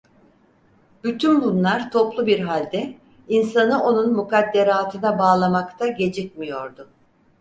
Bütün bunlar toplu bir halde, insanı onun mukadderatına bağlamakta gecikmiyordu.